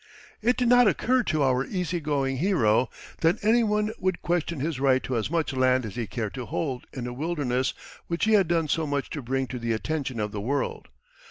It did not occur to our easy going hero that any one would question his right to as much land as he cared to hold in a wilderness which he had done so much to bring to the attention of the world.